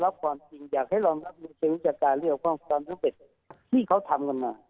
รับความจริงอยากให้รองรับรูปศิษย์จัดการเรียกว่าความประเภทที่เขาทำกันมา